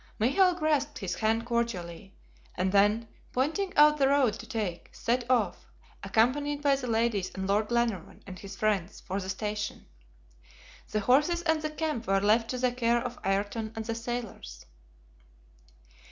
Michael grasped his hand cordially, and then pointing out the road to take, set off, accompanied by the ladies and Lord Glenarvan and his friends, for the station. The horses and the camp were left to the care of Ayrton and the sailors.